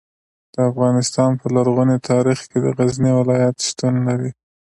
د افغانستان په لرغوني تاریخ کې د غزني ولایت شتون لري.